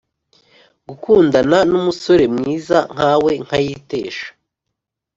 gukundana numusore mwiza nkawe nkayitesha”